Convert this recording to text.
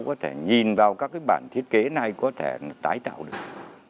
có thể nhìn vào các cái bản thiết kế này có thể tái tạo được